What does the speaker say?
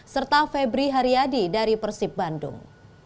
serta febri haryadi dari persib bandung